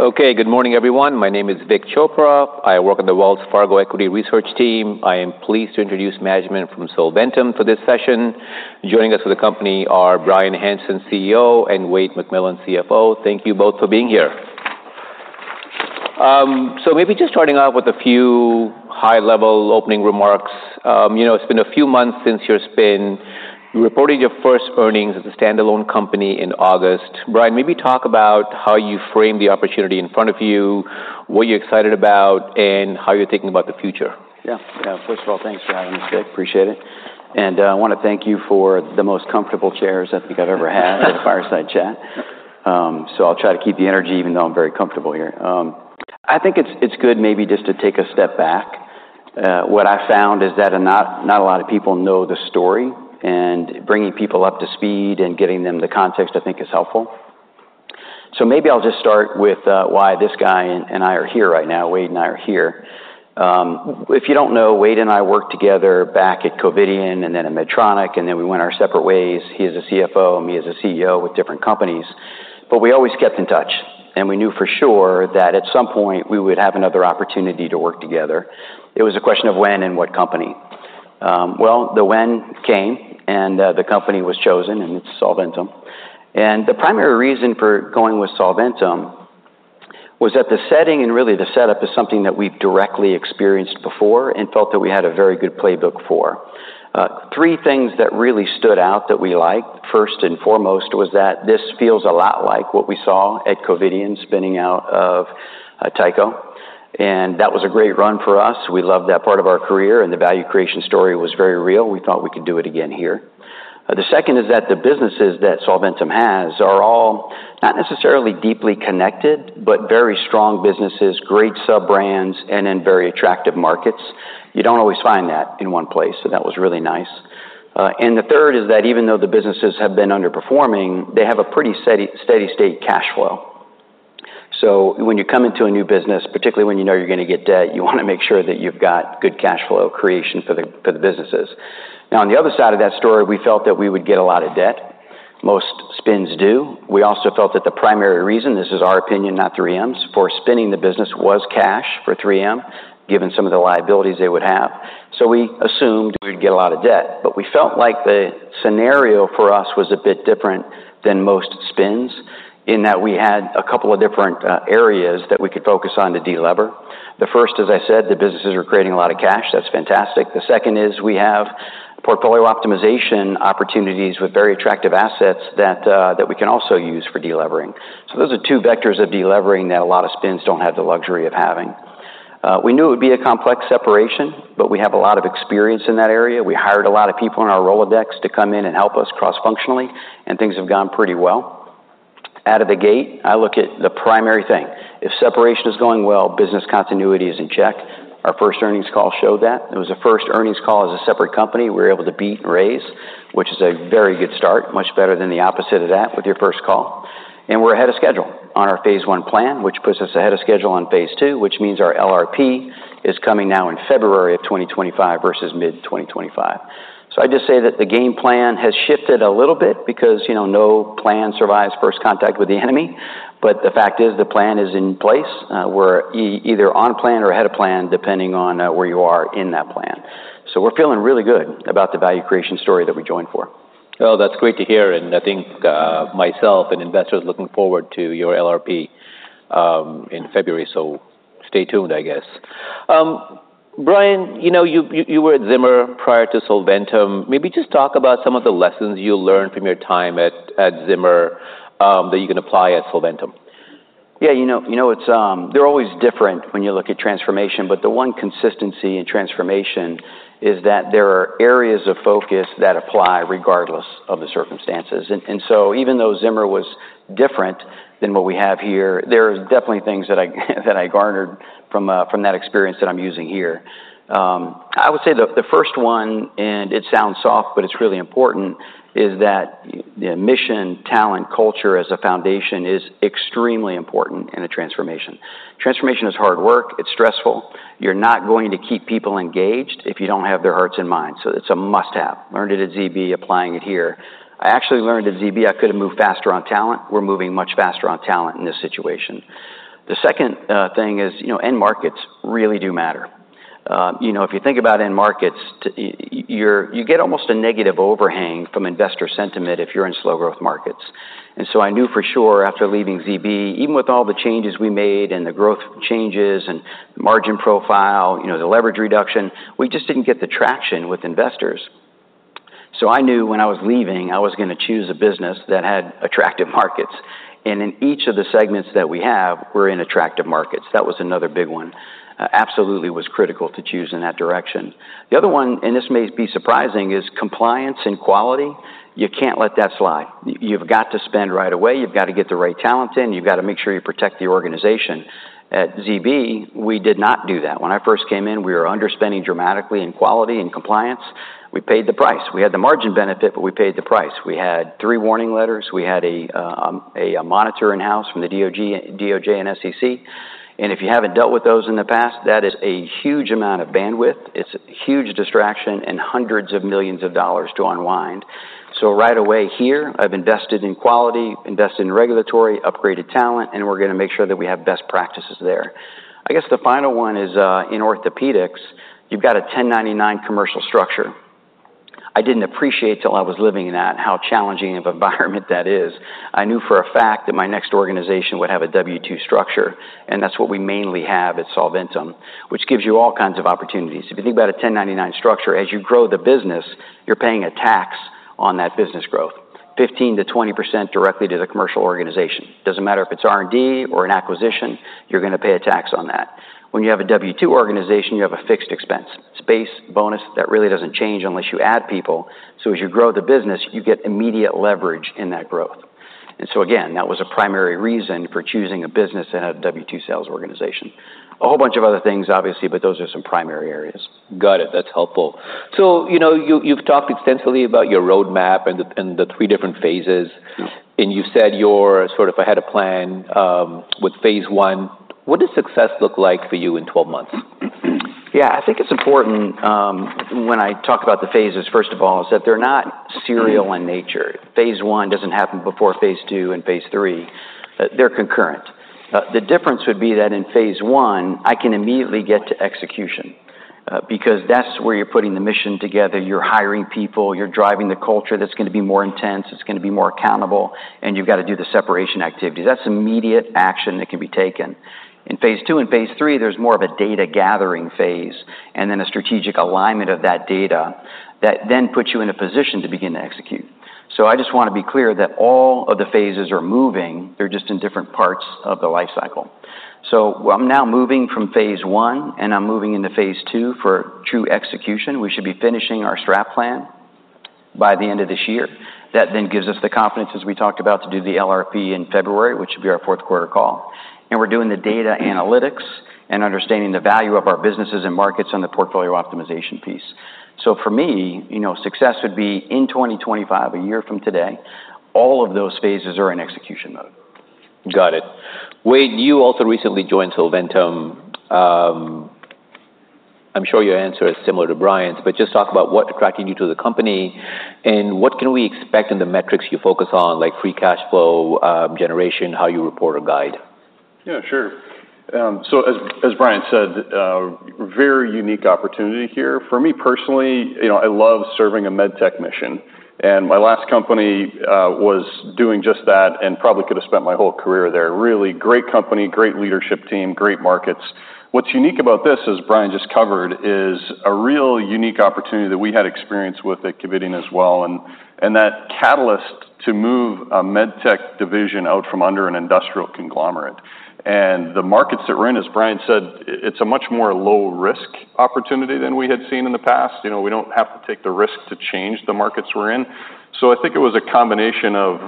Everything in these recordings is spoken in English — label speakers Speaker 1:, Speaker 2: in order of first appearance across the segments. Speaker 1: Okay, good morning, everyone. My name is Vik Chopra. I work on the Wells Fargo Equity Research team. I am pleased to introduce management from Solventum for this session. Joining us for the company are Bryan Hanson, CEO, and Wayde McMillan, CFO. Thank you both for being here, so maybe just starting off with a few high-level opening remarks. You know, it's been a few months since your spin. You reported your first earnings as a standalone company in August. Bryan, maybe talk about how you frame the opportunity in front of you, what you're excited about, and how you're thinking about the future.
Speaker 2: Yeah. Yeah. First of all, thanks for having us, Vik. Appreciate it. And I wanna thank you for the most comfortable chairs I think I've ever had at a fireside chat. So I'll try to keep the energy, even though I'm very comfortable here. I think it's good maybe just to take a step back. What I found is that not a lot of people know the story, and bringing people up to speed and getting them the context, I think, is helpful. So maybe I'll just start with why this guy and I are here right now, Wayde and I are here. If you don't know, Wayde and I worked together back at Covidien, and then at Medtronic, and then we went our separate ways. He as a CFO, and me as a CEO with different companies, but we always kept in touch, and we knew for sure that at some point, we would have another opportunity to work together. It was a question of when and what company. Well, the when came, and the company was chosen, and it's Solventum. And the primary reason for going with Solventum was that the setting and really the setup is something that we've directly experienced before and felt that we had a very good playbook for. Three things that really stood out that we liked: first and foremost, was that this feels a lot like what we saw at Covidien, spinning out of Tyco, and that was a great run for us. We loved that part of our career, and the value creation story was very real. We thought we could do it again here. The second is that the businesses that Solventum has are all not necessarily deeply connected, but very strong businesses, great sub-brands, and in very attractive markets. You don't always find that in one place, so that was really nice. And the third is that even though the businesses have been underperforming, they have a pretty steady, steady state cash flow. So when you come into a new business, particularly when you know you're gonna get debt, you wanna make sure that you've got good cash flow creation for the businesses. Now, on the other side of that story, we felt that we would get a lot of debt. Most spins do. We also felt that the primary reason, this is our opinion, not 3M's, for spinning the business was cash for 3M, given some of the liabilities they would have. So we assumed we'd get a lot of debt, but we felt like the scenario for us was a bit different than most spins, in that we had a couple of different areas that we could focus on to delever. The first, as I said, the businesses are creating a lot of cash. That's fantastic. The second is we have portfolio optimization opportunities with very attractive assets that, that we can also use for delevering. So those are two vectors of delevering that a lot of spins don't have the luxury of having. We knew it would be a complex separation, but we have a lot of experience in that area. We hired a lot of people in our Rolodex to come in and help us cross-functionally, and things have gone pretty well. Out of the gate, I look at the primary thing: if separation is going well, business continuity is in check. Our first earnings call showed that. It was the first earnings call as a separate company. We were able to beat and raise, which is a very good start, much better than the opposite of that with your first call, and we're ahead of schedule on our phase I plan, which puts us ahead of schedule on phase II, which means our LRP is coming now in February of 2025 versus mid-2025. So I'd just say that the game plan has shifted a little bit because, you know, no plan survives first contact with the enemy, but the fact is, the plan is in place. We're either on plan or ahead of plan, depending on where you are in that plan. So we're feeling really good about the value creation story that we joined for.
Speaker 1: That's great to hear, and I think myself and investors are looking forward to your LRP in February, so stay tuned, I guess. Bryan, you know, you were at Zimmer prior to Solventum. Maybe just talk about some of the lessons you learned from your time at Zimmer that you can apply at Solventum.
Speaker 2: Yeah, you know, you know, it's... They're always different when you look at transformation, but the one consistency in transformation is that there are areas of focus that apply regardless of the circumstances. And so even though Zimmer was different than what we have here, there is definitely things that I garnered from that experience that I'm using here. I would say the first one, and it sounds soft, but it's really important, is that the mission, talent, culture as a foundation is extremely important in a transformation. Transformation is hard work. It's stressful. You're not going to keep people engaged if you don't have their hearts and minds, so it's a must-have. Learned it at ZB, applying it here. I actually learned at ZB I could have moved faster on talent. We're moving much faster on talent in this situation. The second thing is, you know, end markets really do matter. You know, if you think about end markets, you get almost a negative overhang from investor sentiment if you're in slow growth markets. And so I knew for sure, after leaving ZB, even with all the changes we made and the growth changes and margin profile, you know, the leverage reduction, we just didn't get the traction with investors. So I knew when I was leaving, I was gonna choose a business that had attractive markets. And in each of the segments that we have, we're in attractive markets. That was another big one. Absolutely, was critical to choose in that direction. The other one, and this may be surprising, is compliance and quality. You can't let that slide. You've got to spend right away. You've got to get the right talent in. You've got to make sure you protect the organization. At ZB, we did not do that. When I first came in, we were underspending dramatically in quality and compliance. We paid the price. We had the margin benefit, but we paid the price. We had three warning letters. We had a monitor in-house from the DOJ and SEC. And if you haven't dealt with those in the past, that is a huge amount of bandwidth. It's a huge distraction and hundreds of millions of dollars to unwind. So right away here, I've invested in quality, invested in regulatory, upgraded talent, and we're gonna make sure that we have best practices there. I guess the final one is, in orthopedics, you've got a 1099 commercial structure. I didn't appreciate till I was living in that, how challenging of environment that is. I knew for a fact that my next organization would have a W-2 structure, and that's what we mainly have at Solventum, which gives you all kinds of opportunities. If you think about a 1099 structure, as you grow the business, you're paying a tax on that business growth, 15%-20% directly to the commercial organization. Doesn't matter if it's R&D or an acquisition, you're gonna pay a tax on that. When you have a W-2 organization, you have a fixed expense, space, bonus, that really doesn't change unless you add people. So as you grow the business, you get immediate leverage in that growth. And so again, that was a primary reason for choosing a business and a W-2 sales organization. A whole bunch of other things, obviously, but those are some primary areas.
Speaker 1: Got it. That's helpful. So, you know, you've talked extensively about your roadmap and the three different phases.
Speaker 2: Yes.
Speaker 1: And you said you're sort of ahead of plan, with phase I. What does success look like for you in 12 months?
Speaker 2: Yeah, I think it's important, when I talk about the phases, first of all, is that they're not serial in nature. Phase I doesn't happen before phase II and phase III. They're concurrent. The difference would be that in phase I, I can immediately get to execution, because that's where you're putting the mission together. You're hiring people, you're driving the culture that's gonna be more intense, it's gonna be more accountable, and you've got to do the separation activity. That's immediate action that can be taken. In phase II and phase III, there's more of a data gathering phase, and then a strategic alignment of that data that then puts you in a position to begin to execute. So I just want to be clear that all of the phases are moving, they're just in different parts of the life cycle. So I'm now moving from phase I, and I'm moving into phase II for true execution. We should be finishing our strat plan by the end of this year. That then gives us the confidence, as we talked about, to do the LRP in February, which should be our fourth quarter call, and we're doing the data analytics and understanding the value of our businesses and markets on the portfolio optimization piece, so for me, you know, success would be in 2025, a year from today, all of those phases are in execution mode.
Speaker 1: Got it. Wayde, you also recently joined Solventum. I'm sure your answer is similar to Bryan's, but just talk about what attracted you to the company, and what can we expect in the metrics you focus on, like free cash flow, generation, how you report or guide?
Speaker 3: Yeah, sure. So as Bryan said, very unique opportunity here. For me, personally, you know, I love serving a med tech mission, and my last company was doing just that, and probably could have spent my whole career there. Really great company, great leadership team, great markets. What's unique about this, as Bryan just covered, is a real unique opportunity that we had experience with at Covidien as well, and that catalyst to move a med tech division out from under an industrial conglomerate. And the markets that we're in, as Bryan said, it's a much more low risk opportunity than we had seen in the past. You know, we don't have to take the risk to change the markets we're in. So I think it was a combination of,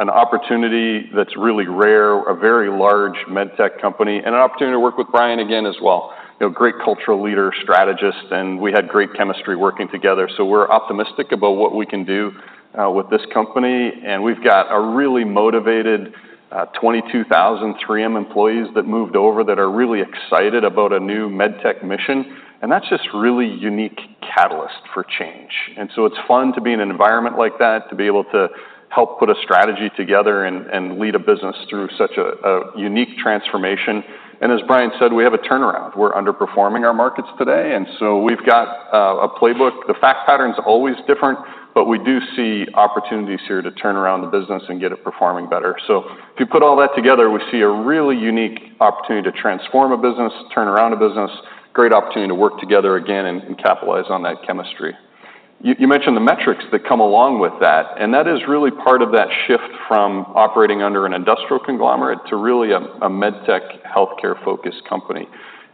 Speaker 3: an opportunity that's really rare, a very large med tech company, and an opportunity to work with Bryan again as well. You know, great cultural leader, strategist, and we had great chemistry working together, so we're optimistic about what we can do, with this company. And we've got a really motivated, 22,000 3M employees that moved over that are really excited about a new med tech mission, and that's just really unique catalyst for change. And so it's fun to be in an environment like that, to be able to help put a strategy together and lead a business through such a unique transformation. And as Bryan said, we have a turnaround. We're underperforming our markets today, and so we've got, a playbook. The fact pattern's always different, but we do see opportunities here to turn around the business and get it performing better. So if you put all that together, we see a really unique opportunity to transform a business, turn around a business, great opportunity to work together again and capitalize on that chemistry. You mentioned the metrics that come along with that, and that is really part of that shift from operating under an industrial conglomerate to really a med tech, healthcare-focused company.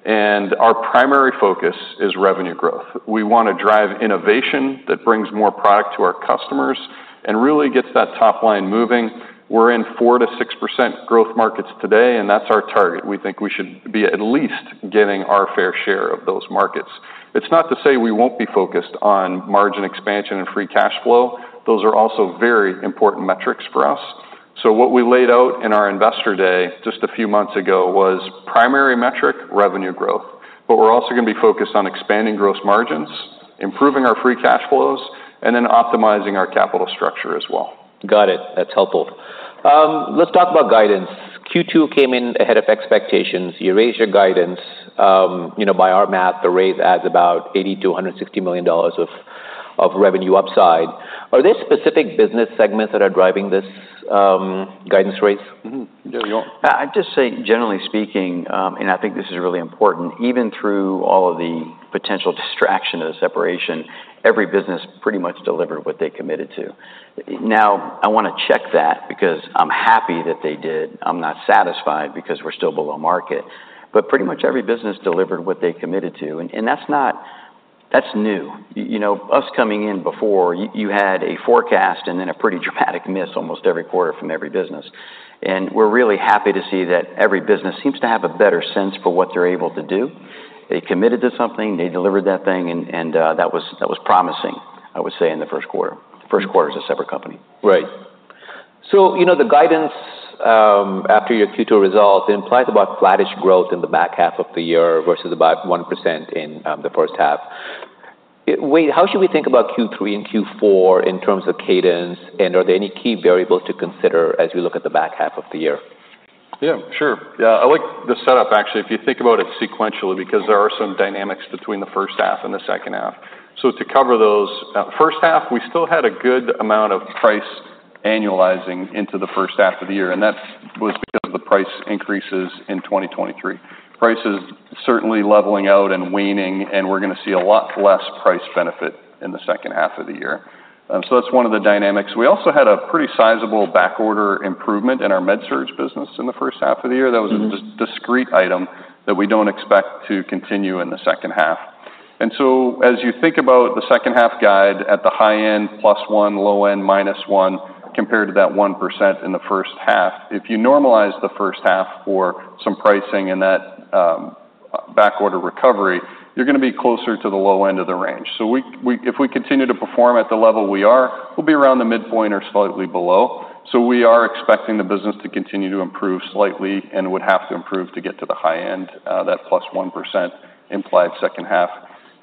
Speaker 3: And our primary focus is revenue growth. We want to drive innovation that brings more product to our customers and really gets that top line moving. We're in 4%-6% growth markets today, and that's our target. We think we should be at least getting our fair share of those markets. It's not to say we won't be focused on margin expansion and free cash flow. Those are also very important metrics for us. So what we laid out in our Investor Day, just a few months ago, was primary metric, revenue growth. But we're also gonna be focused on expanding gross margins, improving our free cash flows, and then optimizing our capital structure as well.
Speaker 1: Got it. That's helpful. Let's talk about guidance. Q2 came in ahead of expectations. You raised your guidance. You know, by our math, the raise adds about $80 million-$160 million of revenue upside. Are there specific business segments that are driving this guidance raise?
Speaker 3: Mm-hmm. Yeah, you want-
Speaker 2: I'd just say, generally speaking, and I think this is really important, even through all of the potential distraction of the separation, every business pretty much delivered what they committed to. Now, I wanna check that, because I'm happy that they did. I'm not satisfied, because we're still below market, but pretty much every business delivered what they committed to, and that's not. That's new. You know, us coming in before, you had a forecast and then a pretty dramatic miss almost every quarter from every business. And we're really happy to see that every business seems to have a better sense for what they're able to do. They committed to something, they delivered that thing, and that was promising, I would say, in the first quarter. First quarter as a separate company.
Speaker 1: Right. So, you know, the guidance after your Q2 results implies about flattish growth in the back half of the year versus about 1% in the first half. Wait, how should we think about Q3 and Q4 in terms of cadence? And are there any key variables to consider as we look at the back half of the year?
Speaker 3: Yeah, sure. Yeah, I like the setup, actually, if you think about it sequentially, because there are some dynamics between the first half and the second half. So to cover those, first half, we still had a good amount of price annualizing into the first half of the year, and that was because of the price increases in 2023. Price is certainly leveling out and waning, and we're gonna see a lot less price benefit in the second half of the year. So that's one of the dynamics. We also had a pretty sizable backorder improvement in our MedSurg business in the first half of the year.
Speaker 1: Mm-hmm.
Speaker 3: That was a discrete item that we don't expect to continue in the second half. And so as you think about the second half guide at the high end, +1%, low end, -1%, compared to that 1% in the first half, if you normalize the first half for some pricing and that, backorder recovery, you're gonna be closer to the low end of the range. So we if we continue to perform at the level we are, we'll be around the midpoint or slightly below. So we are expecting the business to continue to improve slightly and would have to improve to get to the high end, that +1% implied second half.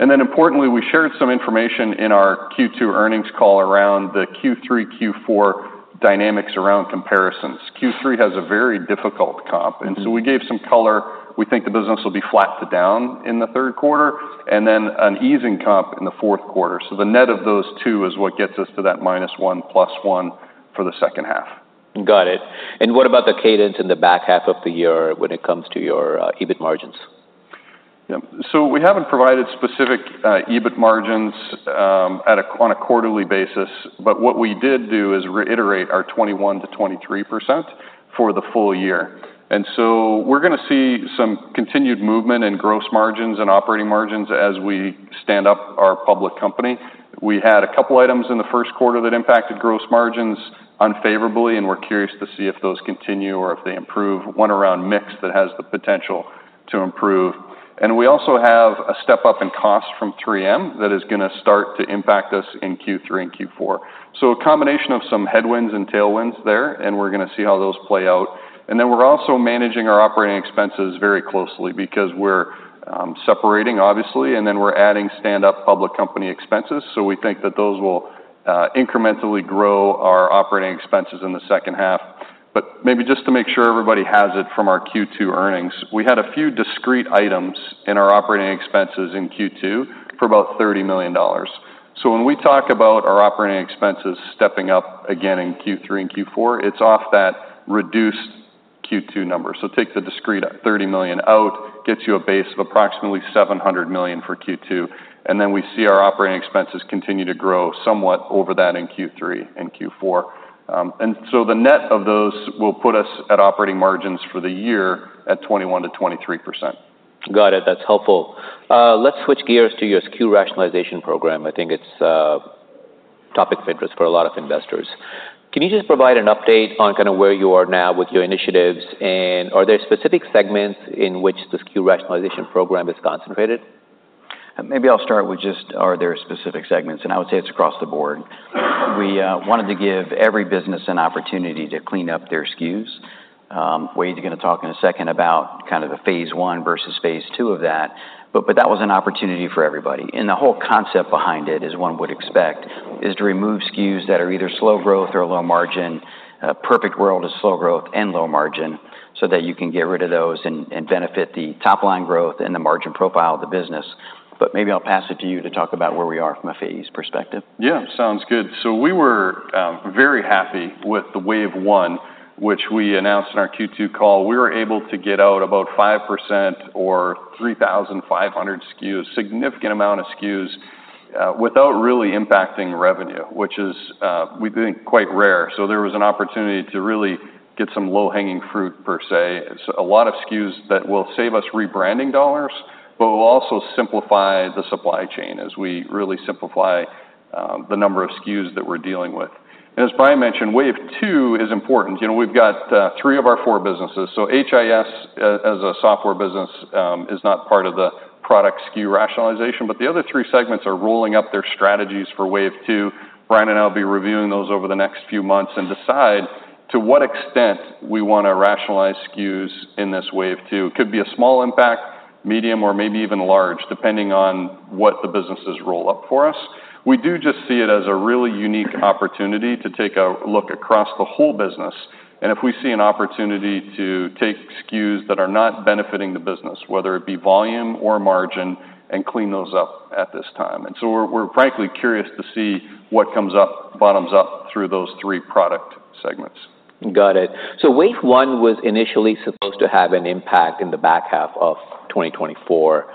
Speaker 3: And then importantly, we shared some information in our Q2 earnings call around the Q3, Q4 dynamics around comparisons. Q3 has a very difficult comp-
Speaker 1: Mm-hmm.
Speaker 3: And so we gave some color. We think the business will be flat to down in the third quarter, and then an easing comp in the fourth quarter. So the net of those two is what gets us to that minus one, plus one for the second half.
Speaker 1: Got it. And what about the cadence in the back half of the year when it comes to your EBIT margins?
Speaker 3: Yeah. So we haven't provided specific EBIT margins on a quarterly basis, but what we did do is reiterate our 21%-23% for the full year. And so we're gonna see some continued movement in gross margins and operating margins as we stand up our public company. We had a couple items in the first quarter that impacted gross margins unfavorably, and we're curious to see if those continue or if they improve, one around mix that has the potential to improve. And we also have a step-up in cost from 3M that is gonna start to impact us in Q3 and Q4. So a combination of some headwinds and tailwinds there, and we're gonna see how those play out. And then we're also managing our operating expenses very closely because we're separating, obviously, and then we're adding stand-up public company expenses. So we think that those will incrementally grow our operating expenses in the second half. But maybe just to make sure everybody has it from our Q2 earnings, we had a few discrete items in our operating expenses in Q2 for about $30 million. So when we talk about our operating expenses stepping up again in Q3 and Q4, it's off that reduced Q2 number. So take the discrete $30 million out, gets you a base of approximately $700 million for Q2, and then we see our operating expenses continue to grow somewhat over that in Q3 and Q4. And so the net of those will put us at operating margins for the year at 21%-23%.
Speaker 1: Got it. That's helpful. Let's switch gears to your SKU rationalization program. I think it's a topic of interest for a lot of investors. Can you just provide an update on kinda where you are now with your initiatives? And are there specific segments in which the SKU rationalization program is concentrated?
Speaker 2: Maybe I'll start with just, are there specific segments? And I would say it's across the board. We wanted to give every business an opportunity to clean up their SKUs. Wayde, you're gonna talk in a second about kind of the phase I versus phase II of that, but that was an opportunity for everybody. And the whole concept behind it, as one would expect, is to remove SKUs that are either slow growth or low margin. A perfect world is slow growth and low margin, so that you can get rid of those and benefit the top line growth and the margin profile of the business. But maybe I'll pass it to you to talk about where we are from a phase perspective.
Speaker 3: Yeah, sounds good, so we were very happy with the wave one, which we announced in our Q2 call. We were able to get out about 5% or 3,500 SKUs, significant amount of SKUs, without really impacting revenue, which is, we think, quite rare, so there was an opportunity to really get some low-hanging fruit, per se. It's a lot of SKUs that will save us rebranding dollars, but will also simplify the supply chain as we really simplify the number of SKUs that we're dealing with, and as Bryan mentioned, wave two is important. You know, we've got three of our four businesses. So HIS, as a software business, is not part of the product SKU rationalization, but the other three segments are rolling up their strategies for wave two. Bryan and I will be reviewing those over the next few months and decide to what extent we wanna rationalize SKUs in this wave two. It could be a small impact, medium, or maybe even large, depending on what the businesses roll up for us. We do just see it as a really unique opportunity to take a look across the whole business, and if we see an opportunity to take SKUs that are not benefiting the business, whether it be volume or margin, and clean those up at this time. And so we're frankly curious to see what comes up, bottoms up through those three product segments.
Speaker 1: Got it. So wave one was initially supposed to have an impact in the back half of 2024.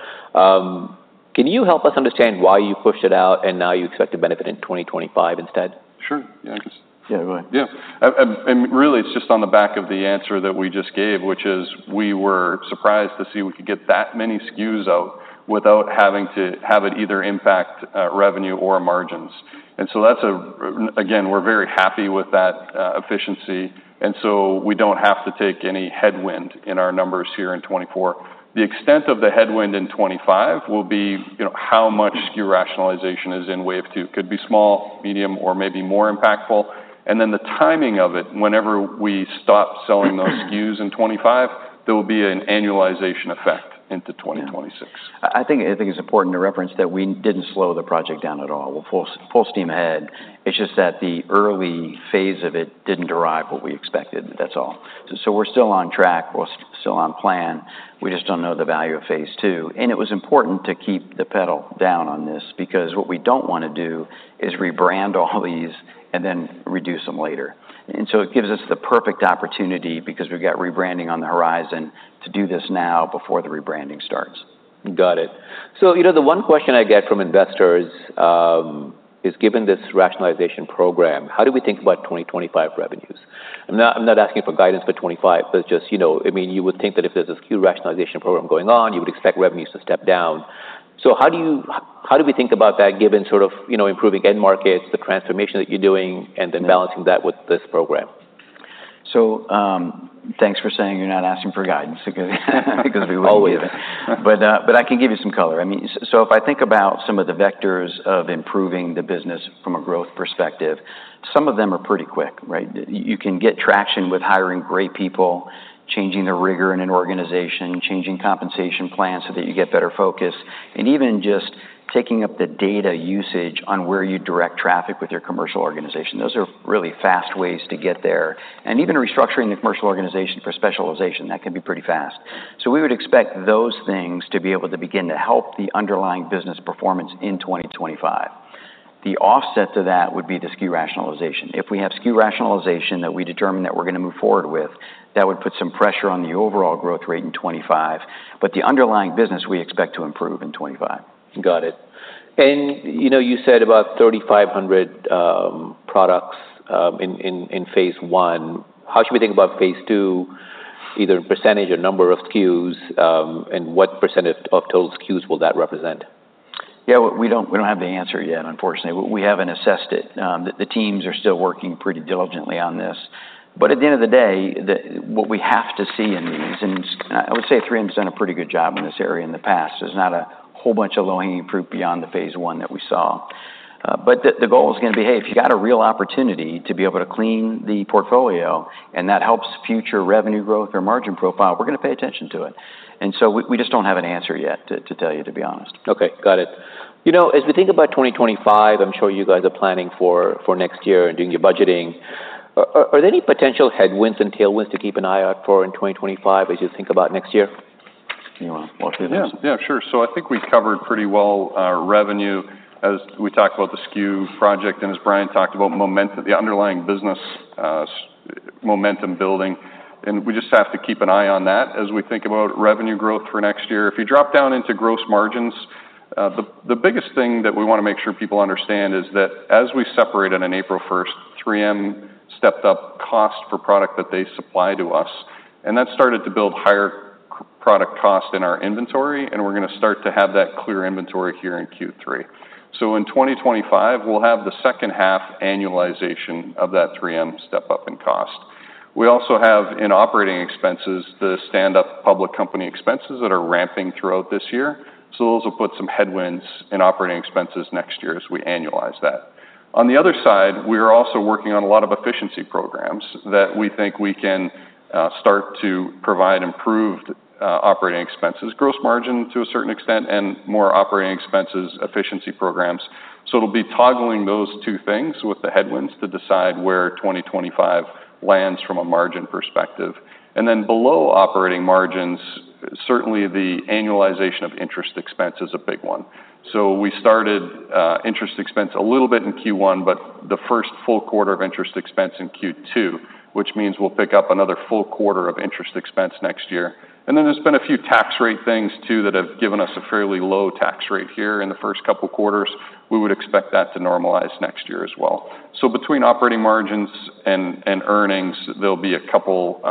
Speaker 1: Can you help us understand why you pushed it out and now you expect to benefit in 2025 instead?
Speaker 3: Sure. Yeah, I guess.
Speaker 2: Yeah, go ahead.
Speaker 3: Yeah. And really, it's just on the back of the answer that we just gave, which is we were surprised to see we could get that many SKUs out without having to have it either impact revenue or margins. And so that's a... Again, we're very happy with that efficiency, and so we don't have to take any headwind in our numbers here in 2024. The extent of the headwind in 2025 will be, you know, how much SKU rationalization is in wave two. Could be small, medium, or maybe more impactful. And then the timing of it, whenever we stop selling those SKUs in 2025, there will be an annualization effect into 2026.
Speaker 2: I think it's important to reference that we didn't slow the project down at all. We're full steam ahead. It's just that the early phase of it didn't derive what we expected. That's all. So we're still on track. We're still on plan. We just don't know the value of phase II, and it was important to keep the pedal down on this, because what we don't want to do is rebrand all these and then reduce them later. And so it gives us the perfect opportunity, because we've got rebranding on the horizon, to do this now before the rebranding starts.
Speaker 1: Got it. So, you know, the one question I get from investors is, given this rationalization program, how do we think about 2025 revenues? I'm not asking for guidance for 2025, but just, you know, I mean, you would think that if there's a SKU rationalization program going on, you would expect revenues to step down. So how do we think about that, given sort of, you know, improving end markets, the transformation that you're doing, and then balancing that with this program?
Speaker 2: So, thanks for saying you're not asking for guidance, because-
Speaker 1: Always.
Speaker 2: Because we wouldn't give it. But, but I can give you some color. I mean, so if I think about some of the vectors of improving the business from a growth perspective, some of them are pretty quick, right? You can get traction with hiring great people, changing the rigor in an organization, changing compensation plans so that you get better focus, and even just taking up the data usage on where you direct traffic with your commercial organization. Those are really fast ways to get there. And even restructuring the commercial organization for specialization, that can be pretty fast. So we would expect those things to be able to begin to help the underlying business performance in 2025. The offset to that would be the SKU rationalization. If we have SKU rationalization that we determine that we're going to move forward with, that would put some pressure on the overall growth rate in 2025, but the underlying business, we expect to improve in 2025.
Speaker 1: Got it. You know, you said about 3,500 products in phase I. How should we think about phase II, either in percentage or number of SKUs, and what percentage of total SKUs will that represent?
Speaker 2: Yeah, we don't have the answer yet, unfortunately. We haven't assessed it. The teams are still working pretty diligently on this, but at the end of the day, what we have to see in these, and I would say 3M's done a pretty good job in this area in the past. There's not a whole bunch of low-hanging fruit beyond the phase I that we saw, but the goal is gonna be, hey, if you got a real opportunity to be able to clean the portfolio, and that helps future revenue growth or margin profile, we're gonna pay attention to it, and so we just don't have an answer yet to tell you, to be honest.
Speaker 1: Okay, got it. You know, as we think about 2025, I'm sure you guys are planning for next year and doing your budgeting. Are there any potential headwinds and tailwinds to keep an eye out for in 2025 as you think about next year?
Speaker 2: You wanna walk through this?
Speaker 3: Yeah. Yeah, sure. So I think we've covered pretty well our revenue as we talked about the SKU project and as Bryan talked about the underlying business, momentum building, and we just have to keep an eye on that as we think about revenue growth for next year. If you drop down into gross margins, the biggest thing that we wanna make sure people understand is that as we separated on April 1st, 3M stepped up cost per product that they supply to us, and that started to build higher product cost in our inventory, and we're gonna start to have that clear inventory here in Q3. So in 2025, we'll have the second half annualization of that 3M step-up in cost. We also have, in operating expenses, the stand-up public company expenses that are ramping throughout this year, so those will put some headwinds in operating expenses next year as we annualize that. On the other side, we are also working on a lot of efficiency programs that we think we can start to provide improved operating expenses, gross margin to a certain extent, and more operating expenses efficiency programs. It'll be toggling those two things with the headwinds to decide where 2025 lands from a margin perspective. Then below operating margins, certainly, the annualization of interest expense is a big one. We started interest expense a little bit in Q1, but the first full quarter of interest expense in Q2, which means we'll pick up another full quarter of interest expense next year. And then there's been a few tax rate things, too, that have given us a fairly low tax rate here in the first couple quarters. We would expect that to normalize next year as well. So between operating margins and earnings, there'll be a couple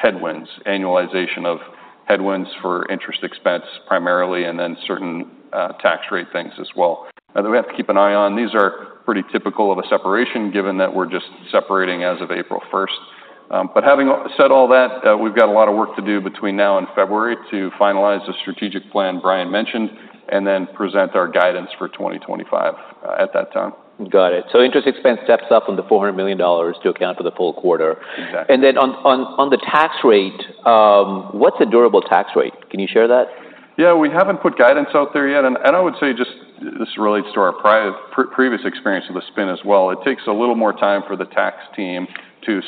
Speaker 3: headwinds, annualization of headwinds for interest expense, primarily, and then certain tax rate things as well. Now, that we have to keep an eye on. These are pretty typical of a separation, given that we're just separating as of April first. But having said all that, we've got a lot of work to do between now and February to finalize the strategic plan Bryan mentioned, and then present our guidance for 2025 at that time.
Speaker 1: Got it. So interest expense steps up from the $400 million to account for the full quarter.
Speaker 3: Exactly.
Speaker 1: And then on the tax rate, what's a durable tax rate? Can you share that?
Speaker 3: Yeah, we haven't put guidance out there yet. And I would say this relates to our previous experience with the spin as well. It takes a little more time for the tax team to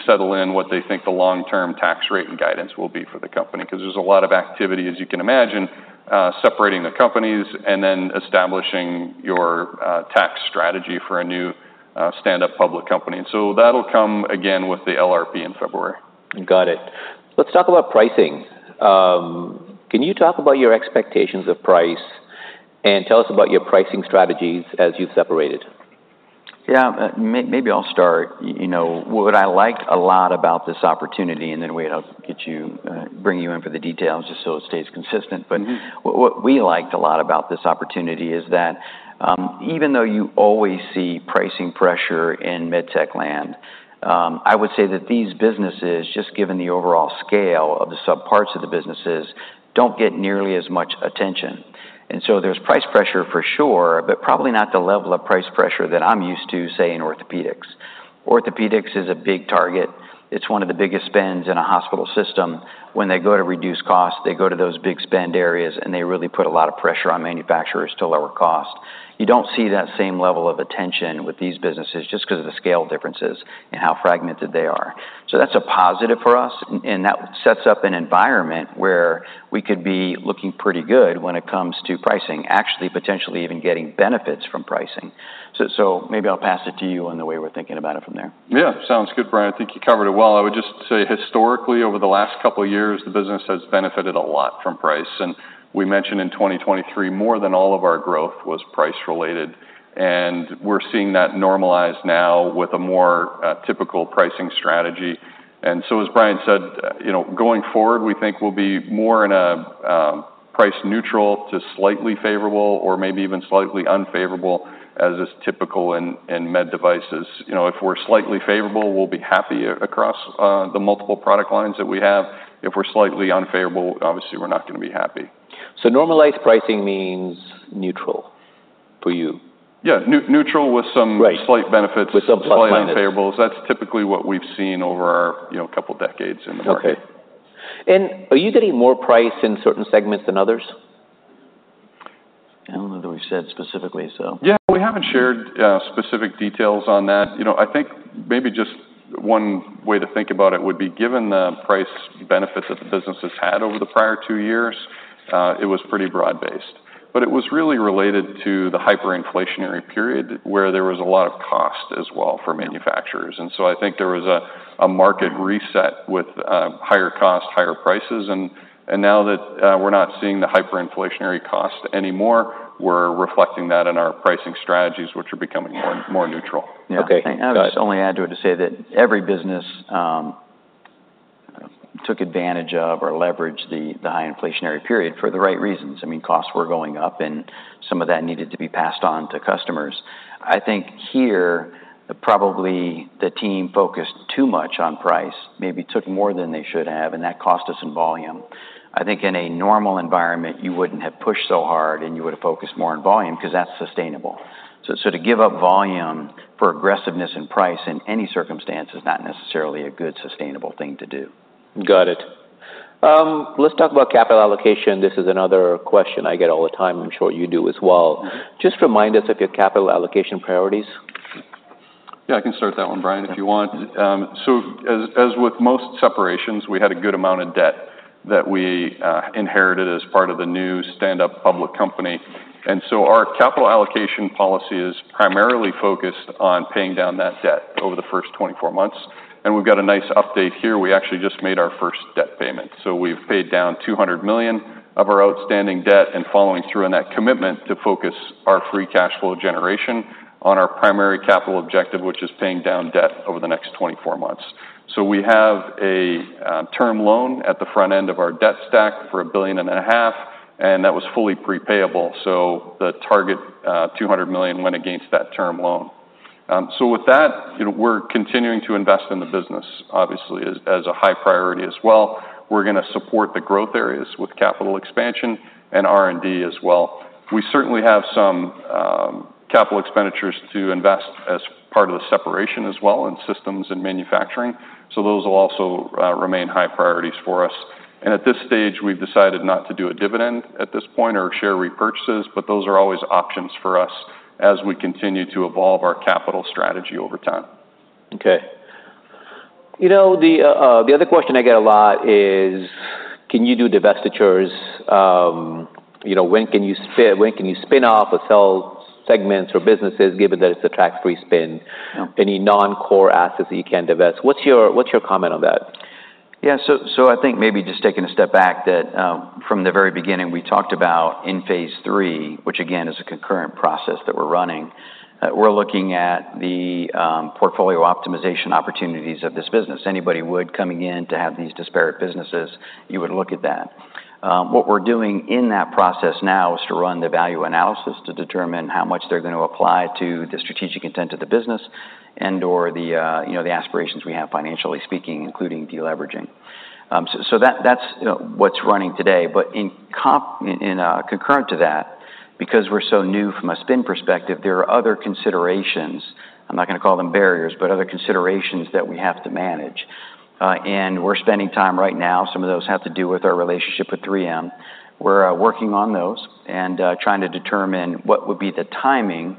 Speaker 3: settle in what they think the long-term tax rate and guidance will be for the company, 'cause there's a lot of activity, as you can imagine, separating the companies and then establishing your tax strategy for a new stand-up public company. And so that'll come again with the LRP in February.
Speaker 1: Got it. Let's talk about pricing. Can you talk about your expectations of price, and tell us about your pricing strategies as you've separated?...
Speaker 2: Yeah, maybe I'll start. You know, what I liked a lot about this opportunity, and then Wayde, I'll get you, bring you in for the details, just so it stays consistent.
Speaker 3: Mm-hmm.
Speaker 2: But what we liked a lot about this opportunity is that, even though you always see pricing pressure in med tech land, I would say that these businesses, just given the overall scale of the subparts of the businesses, don't get nearly as much attention. And so there's price pressure for sure, but probably not the level of price pressure that I'm used to, say, in orthopedics. Orthopedics is a big target. It's one of the biggest spends in a hospital system. When they go to reduce costs, they go to those big spend areas, and they really put a lot of pressure on manufacturers to lower cost. You don't see that same level of attention with these businesses just 'cause of the scale differences and how fragmented they are. So that's a positive for us, and that sets up an environment where we could be looking pretty good when it comes to pricing, actually, potentially even getting benefits from pricing. So maybe I'll pass it to you on the way we're thinking about it from there.
Speaker 3: Yeah. Sounds good, Bryan. I think you covered it well. I would just say, historically, over the last couple of years, the business has benefited a lot from price, and we mentioned in 2023, more than all of our growth was price related, and we're seeing that normalize now with a more typical pricing strategy. And so as Bryan said, you know, going forward, we think we'll be more in a price neutral to slightly favorable or maybe even slightly unfavorable, as is typical in med devices. You know, if we're slightly favorable, we'll be happy across the multiple product lines that we have. If we're slightly unfavorable, obviously, we're not gonna be happy.
Speaker 1: So normalized pricing means neutral for you?
Speaker 3: Yeah, neutral with some-
Speaker 1: Right...
Speaker 3: slight benefits.
Speaker 1: With some plus, minus.
Speaker 3: Slight unfavorable. That's typically what we've seen over our, you know, couple decades in the market.
Speaker 1: Okay, and are you getting more price in certain segments than others?
Speaker 2: I don't know that we've said specifically so.
Speaker 3: Yeah, we haven't shared specific details on that. You know, I think maybe just one way to think about it would be, given the price benefits that the business has had over the prior two years, it was pretty broad-based. But it was really related to the hyperinflationary period, where there was a lot of cost as well for manufacturers. And so I think there was a market reset with higher cost, higher prices, and now that we're not seeing the hyperinflationary cost anymore, we're reflecting that in our pricing strategies, which are becoming more neutral.
Speaker 1: Okay, got it.
Speaker 2: I'll just only add to it to say that every business took advantage of or leveraged the high inflationary period for the right reasons. I mean, costs were going up, and some of that needed to be passed on to customers. I think here, probably the team focused too much on price, maybe took more than they should have, and that cost us some volume. I think in a normal environment, you wouldn't have pushed so hard, and you would have focused more on volume because that's sustainable. So to give up volume for aggressiveness in price in any circumstance is not necessarily a good, sustainable thing to do.
Speaker 1: Got it. Let's talk about capital allocation. This is another question I get all the time. I'm sure you do as well.
Speaker 3: Mm-hmm.
Speaker 1: Just remind us of your capital allocation priorities.
Speaker 3: Yeah, I can start that one, Bryan, if you want. So as with most separations, we had a good amount of debt that we inherited as part of the new stand-up public company, and so our capital allocation policy is primarily focused on paying down that debt over the first 24 months. And we've got a nice update here. We actually just made our first debt payment. So we've paid down $200 million of our outstanding debt and following through on that commitment to focus our free cash flow generation on our primary capital objective, which is paying down debt over the next 24 months. So we have a term loan at the front end of our debt stack for $1.5 billion, and that was fully prepayable, so the target $200 million went against that term loan. So with that, you know, we're continuing to invest in the business, obviously, as a high priority as well. We're gonna support the growth areas with capital expansion and R&D as well. We certainly have some capital expenditures to invest as part of the separation as well, in systems and manufacturing, so those will also remain high priorities for us. And at this stage, we've decided not to do a dividend at this point or share repurchases, but those are always options for us as we continue to evolve our capital strategy over time.
Speaker 1: Okay. You know, the other question I get a lot is: Can you do divestitures? You know, when can you spin off or sell segments or businesses, given that it's a tax-free spin?
Speaker 2: Yeah.
Speaker 1: Any non-core assets that you can divest? What's your comment on that?
Speaker 2: Yeah, so, so I think maybe just taking a step back, that, from the very beginning, we talked about in phase III, which again, is a concurrent process that we're running, we're looking at the, portfolio optimization opportunities of this business. Anybody would coming in to have these disparate businesses, you would look at that. What we're doing in that process now is to run the value analysis to determine how much they're going to apply to the strategic intent of the business and/or the, you know, the aspirations we have, financially speaking, including deleveraging. So, so that's, you know, what's running today. But in concurrent to that, because we're so new from a spin perspective, there are other considerations. I'm not gonna call them barriers, but other considerations that we have to manage. And we're spending time right now. Some of those have to do with our relationship with 3M. We're working on those and trying to determine what would be the timing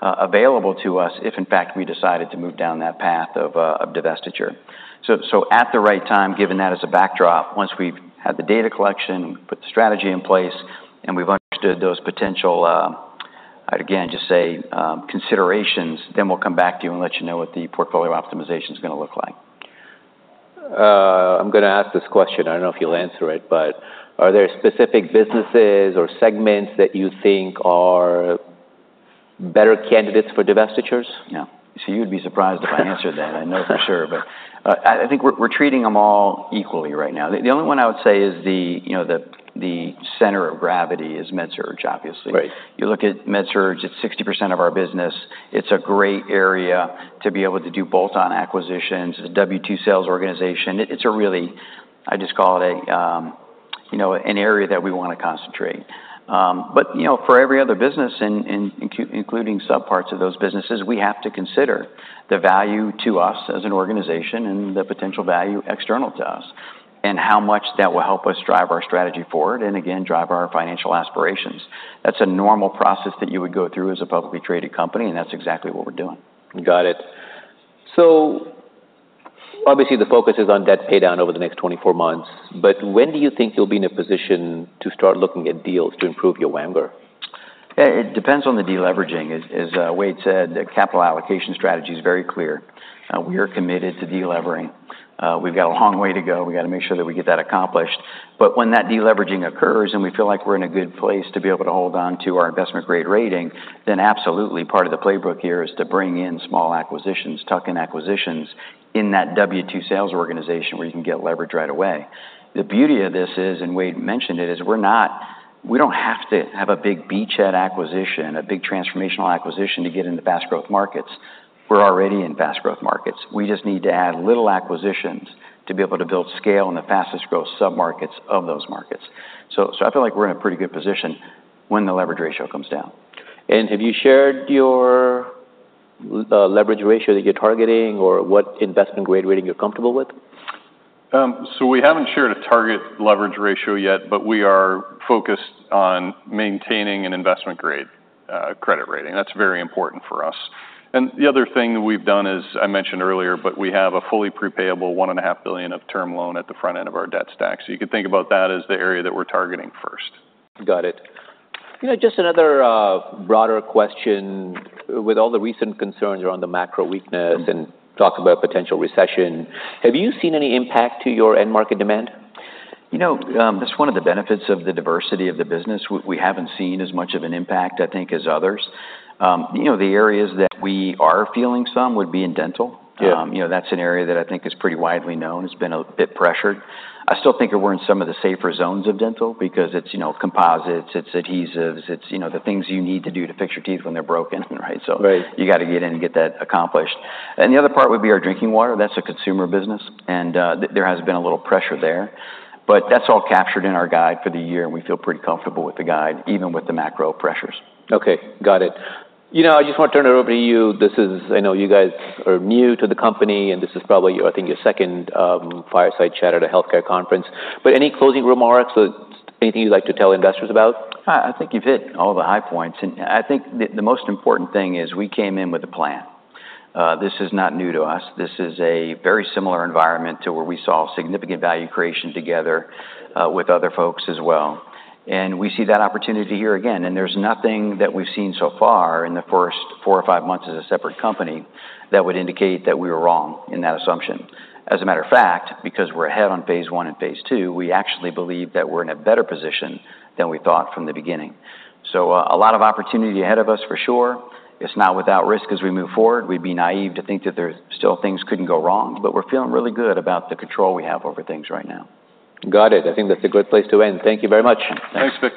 Speaker 2: available to us if, in fact, we decided to move down that path of divestiture. So at the right time, given that as a backdrop, once we've had the data collection, put the strategy in place, and we've understood those potential I'd again just say considerations, then we'll come back to you and let you know what the portfolio optimization is gonna look like. ...
Speaker 1: I'm gonna ask this question, I don't know if you'll answer it, but are there specific businesses or segments that you think are better candidates for divestitures?
Speaker 2: No. So you'd be surprised if I answered that, I know for sure. But, I think we're treating them all equally right now. The only one I would say is, you know, the center of gravity is MedSurg, obviously.
Speaker 1: Right.
Speaker 2: You look at MedSurg, it's 60% of our business. It's a great area to be able to do bolt-on acquisitions, a W-2 sales organization. It's really. I just call it a, you know, an area that we wanna concentrate, but you know, for every other business, including subparts of those businesses, we have to consider the value to us as an organization and the potential value external to us, and how much that will help us drive our strategy forward, and again, drive our financial aspirations. That's a normal process that you would go through as a publicly traded company, and that's exactly what we're doing.
Speaker 1: Got it. So obviously, the focus is on debt paydown over the next twenty-four months, but when do you think you'll be in a position to start looking at deals to improve your WAMGR?
Speaker 2: It depends on the deleveraging. As Wayde said, the capital allocation strategy is very clear. We are committed to delevering. We've got a long way to go. We gotta make sure that we get that accomplished, but when that deleveraging occurs, and we feel like we're in a good place to be able to hold on to our investment-grade rating, then absolutely, part of the playbook here is to bring in small acquisitions, tuck-in acquisitions, in that W-2 sales organization, where you can get leverage right away. The beauty of this is, and Wayde mentioned it, is we're not. We don't have to have a big beachhead acquisition, a big transformational acquisition to get into fast growth markets. We're already in fast growth markets. We just need to add little acquisitions to be able to build scale in the fastest growth submarkets of those markets. So, so I feel like we're in a pretty good position when the leverage ratio comes down.
Speaker 1: Have you shared your leverage ratio that you're targeting or what investment-grade rating you're comfortable with?
Speaker 3: So we haven't shared a target leverage ratio yet, but we are focused on maintaining an investment-grade credit rating. That's very important for us. And the other thing that we've done is, I mentioned earlier, but we have a fully prepayable $1.5 billion term loan at the front end of our debt stack. So you can think about that as the area that we're targeting first.
Speaker 1: Got it. You know, just another, broader question: with all the recent concerns around the macro weakness and talk about potential recession, have you seen any impact to your end market demand?
Speaker 2: You know, that's one of the benefits of the diversity of the business. We haven't seen as much of an impact, I think, as others. You know, the areas that we are feeling some would be in Dental.
Speaker 1: Yeah.
Speaker 2: You know, that's an area that I think is pretty widely known, it's been a bit pressured. I still think we're in some of the safer zones of dental because it's, you know, composites, it's adhesives, it's, you know, the things you need to do to fix your teeth when they're broken, right?
Speaker 1: Right.
Speaker 2: So you gotta get in and get that accomplished. And the other part would be our drinking water. That's a consumer business, and there has been a little pressure there. But that's all captured in our guide for the year, and we feel pretty comfortable with the guide, even with the macro pressures.
Speaker 1: Okay, got it. You know, I just want to turn it over to you. This is. I know you guys are new to the company, and this is probably, I think, your second fireside chat at a healthcare conference. But any closing remarks or anything you'd like to tell investors about?
Speaker 2: I think you've hit all the high points. And I think the most important thing is we came in with a plan. This is not new to us. This is a very similar environment to where we saw significant value creation together with other folks as well. And we see that opportunity here again, and there's nothing that we've seen so far in the first four or five months as a separate company, that would indicate that we were wrong in that assumption. As a matter of fact, because we're ahead on phase I and phase II, we actually believe that we're in a better position than we thought from the beginning. So, a lot of opportunity ahead of us for sure. It's not without risk as we move forward. We'd be naive to think that there's... Still things couldn't go wrong, but we're feeling really good about the control we have over things right now.
Speaker 1: Got it. I think that's a good place to end. Thank you very much.
Speaker 3: Thanks, Vik.